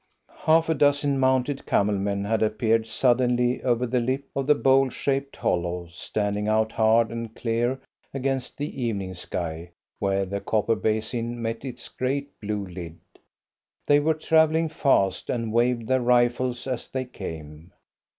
Half a dozen mounted camel men had appeared suddenly over the lip of the bowl shaped hollow, standing out hard and clear against the evening sky where the copper basin met its great blue lid. They were travelling fast, and waved their rifles as they came.